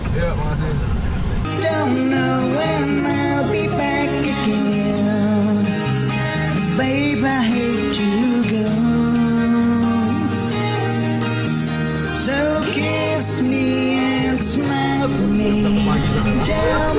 terus makasih captain